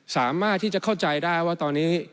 สามารถที่จะเข้าใจได้ว่าตอนนี้